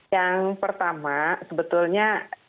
yang pertama sebetulnya